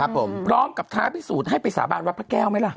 พร้อมกับท้าพิสูจน์ให้ไปสาบานวัดพระแก้วไหมล่ะ